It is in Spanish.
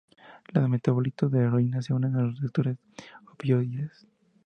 Los metabolitos de la heroína se unen a los receptores opioides.